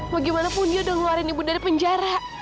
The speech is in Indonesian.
bagaimanapun dia udah ngeluarin ibu dari penjara